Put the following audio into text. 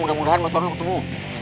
mudah mudahan motor will ketemu